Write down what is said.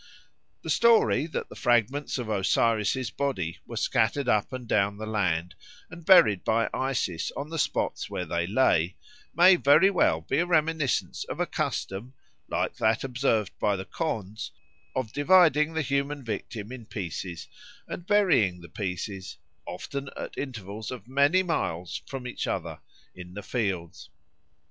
The story that the fragments of Osiris's body were scattered up and down the land, and buried by Isis on the spots where they lay, may very well be a reminiscence of a custom, like that observed by the Khonds, of dividing the human victim in pieces and burying the pieces, often at intervals of many miles from each other, in the fields.